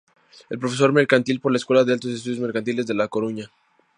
Es Profesor Mercantil por la Escuela de Altos Estudios Mercantiles de La Coruña.